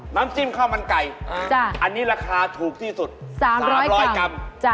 น้ำจิ้มข้าวมันไก่อันนี้ราคาถูกที่สุด๓๐๐กรัม